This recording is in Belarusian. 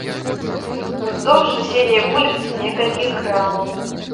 Уздоўж суседняй вуліцы некалькі крамаў.